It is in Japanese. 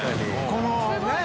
このねぇ？